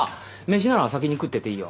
飯なら先に食ってていいよ。